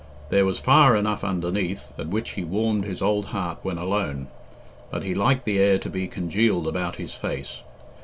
There was fire enough underneath, at which he warmed his old heart when alone, but he liked the air to be congealed about his face.